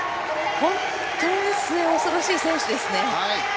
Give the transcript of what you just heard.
本当に末恐ろしい選手ですね。